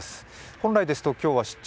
本来ですと今日は「出張！